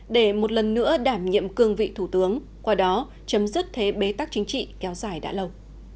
để một lần nữa đảm nhiệm cương vị thủ tướng qua đó chấm dứt thế bế tắc chính trị kéo dài đã lâu